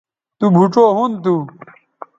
تو بھوڇؤ ھُن تھو